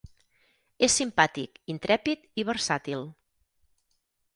És simpàtic, intrèpid i versàtil.